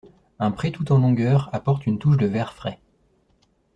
Un pré tout en longueur apporte une touche de vert frais.